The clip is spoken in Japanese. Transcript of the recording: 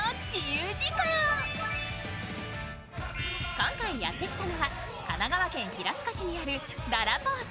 今回やってきたのは神奈川県平塚市にあるららぽーと